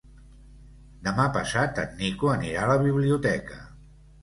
Demà passat en Nico anirà a la biblioteca.